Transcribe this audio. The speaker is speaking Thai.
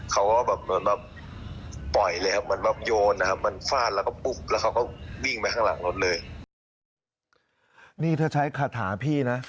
เขาก็แบบปล่อยเลยครับมันแบบโยนนะครับ